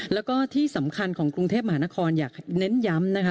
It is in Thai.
แล้วก็ที่สำคัญของกรุงเทพมหานครอยากเน้นย้ำนะคะ